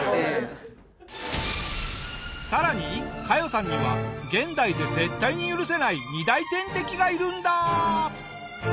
さらにカヨさんには現代で絶対に許せない２大天敵がいるんだ！